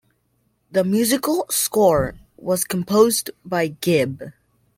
The musical score was composed by Gibb.